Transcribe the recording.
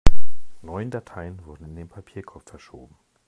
Neun Dateien wurden in den Papierkorb verschoben.